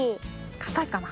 かたいかな？